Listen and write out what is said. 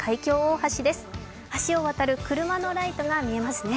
橋を渡る車のライトが見えますね。